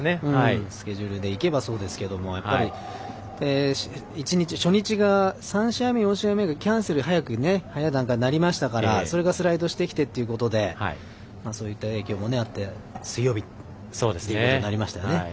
スケジュールでいけばそうですが初日が３試合目、４試合目がキャンセル早い段階でなりましたからそれがスライドしてきてということでそういった影響もあって水曜日になりましたよね。